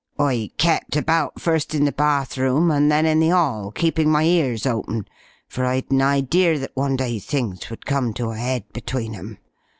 "I kept about, first in the bathroom, and then in the 'all, keeping my ears open, for I'd an idea that one day things would come to a 'ead between 'em.